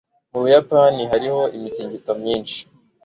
Mu Buyapani Hariho imitingito myinshi.